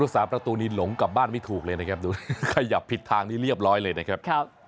สาประตูนี้หลงกลับบ้านไม่ถูกเลยนะครับดูขยับผิดทางนี้เรียบร้อยเลยนะครับ